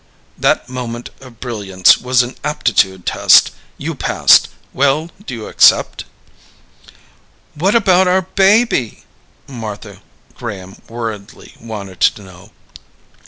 "That moment of brilliance was an aptitude test. You passed. Well, do you accept?" "What about our baby?" Martha Graham worriedly wanted to know.